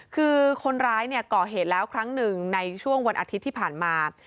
คือคนร้ายเนี่ยก่อเหตุแล้วครั้งหนึ่งในช่วงวันอาทิตย์ที่ผ่านมา